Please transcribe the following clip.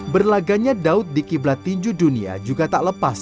berlaganya daud di kiblat tinju dunia juga tak lepas